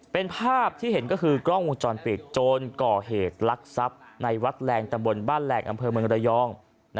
เป็นภาพที่เห็นก็คือกล้องวงจรปิดโจรก่อเหตุลักษัพในวัดแรงตะบนบ้านแหลกอำเภอเมืองระยอง